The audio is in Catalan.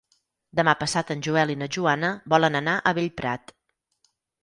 Demà passat en Joel i na Joana volen anar a Bellprat.